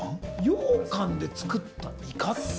ようかんで作ったイカって感じ。